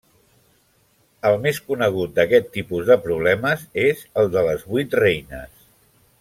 El més conegut d'aquest tipus de problemes és el de les vuit reines.